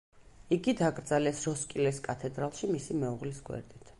იგი დაკრძალეს როსკილეს კათედრალში, მისი მეუღლის გვერდით.